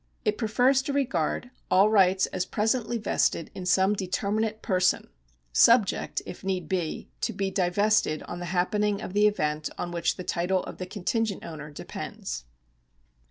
It prefers to regard all rights as pre sently vested in some determinate person, subject, if need be, to be divested on the happening of the event on which the title of the contingent owner depends.